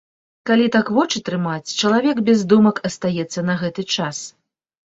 Калі так вочы трымаць, чалавек без думак астаецца на гэты час.